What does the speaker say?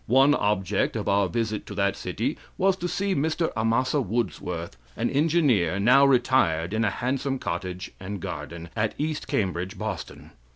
One object of our visit to that city was to see Mr. Amasa Woodsworth, an engineer, now retired in a handsome cottage and garden at East Cambridge, Boston.